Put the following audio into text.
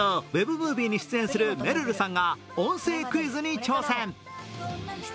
ムービーに出演するめるるさんが音声クイズに挑戦！